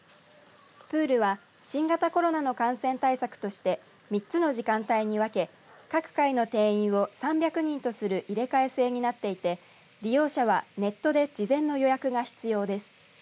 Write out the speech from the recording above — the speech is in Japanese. プールは新型コロナの感染対策として３つの時間帯に分け各回の定員を３００人とする入れ替え制になっていて利用者はネットで事前の予約が必要です。